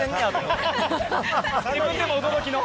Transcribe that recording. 自分でも驚きの？